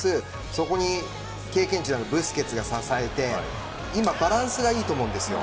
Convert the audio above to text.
そこに経験値のあるブスケツが参戦して今バランスがいいと思うんですよ